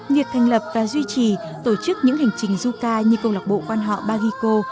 việc thành lập và duy trì tổ chức những hành trình du ca như câu lạc bộ quan họ baghiko